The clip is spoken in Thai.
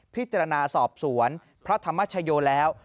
พิจารณาสอบสวนพระธรรมชโยแล้ว